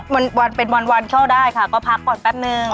มันเป็นวันเคลอด้ายค่ะก็พักก่อนแป๊บหนึ่ง